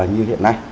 như hiện nay